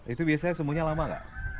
itu biasanya semuanya lama nggak